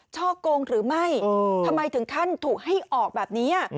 ช่อกงหรือไม่ทำไมถึงขั้นถูกให้ออกแบบนี้